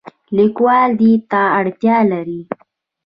لیکوال دې ته اړتیا لري.